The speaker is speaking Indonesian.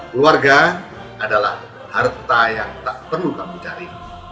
keluarga adalah harta yang tak perlu kamu cari